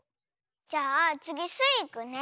じゃあつぎスイいくね。